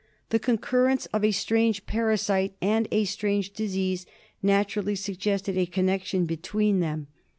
The concurrence of a strange parasite and a strange disease naturally suggested a connection between them.